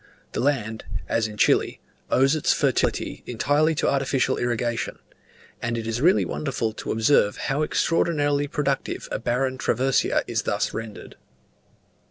The land, as in Chile, owes its fertility entirely to artificial irrigation; and it is really wonderful to observe how extraordinarily productive a barren traversia is thus rendered.